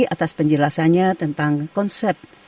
atas penjelasannya tentang konsep